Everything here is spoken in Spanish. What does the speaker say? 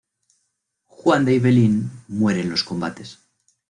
Juan de Ibelín muere en los combates.